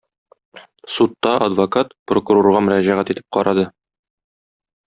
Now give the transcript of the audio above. Судта адвокат, прокурорга мөрәҗәгать итеп карады.